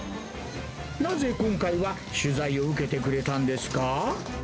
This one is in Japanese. なぜ今回は取材を受けてくれたんですか。